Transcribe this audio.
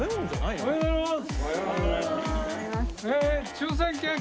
おはようございます。